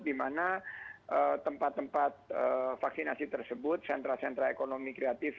di mana tempat tempat vaksinasi tersebut sentra sentra ekonomi kreatif